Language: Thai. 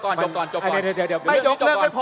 ไม่ยกเรื่องไม่พอ